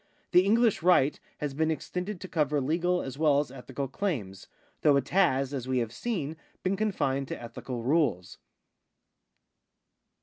The English right has been extended to cover legal as well as ethical claims, though it has, as we have seen, been confined to ethical rules.